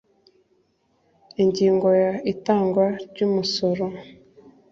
Ingingo ya itangwa ry umusoro